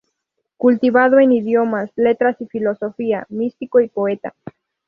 Cultivado en idiomas, letras y filosofía, místico y poeta.